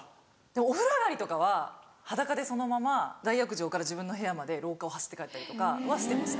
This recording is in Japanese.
お風呂上がりとかは裸でそのまま大浴場から自分の部屋まで廊下を走って帰ったりとかはしてました。